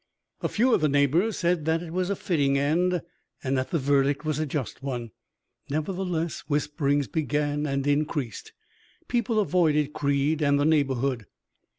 "A few of the neighbors said that it was a fitting end, and that the verdict was a just one. Nevertheless, whisperings began and increased. People avoided Creed and the neighborhood.